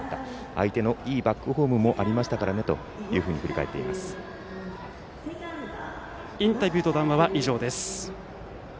相手のいいバックホームもありましたからねというふうにインタビューと談話は以上です。